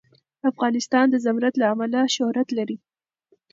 افغانستان د زمرد له امله شهرت لري.